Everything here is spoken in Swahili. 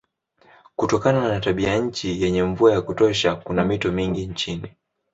Kutokana na tabianchi yenye mvua ya kutosha kuna mito mingi nchini.